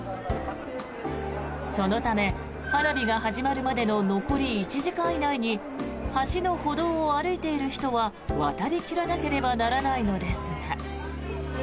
そのため、花火が始まるまでの残り１時間以内に橋の歩道を歩いている人は渡り切らなければならないのですが。